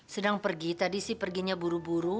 sedang pergi tadi sih perginya buru buru